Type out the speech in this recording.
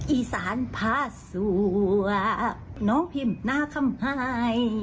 อีสานพาสุวะน้องพิมนาคมฮาย